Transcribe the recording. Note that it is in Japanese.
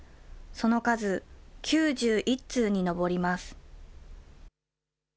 その数、９１通に上ります。